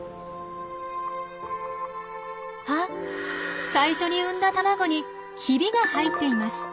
あっ最初に産んだ卵にヒビが入っています！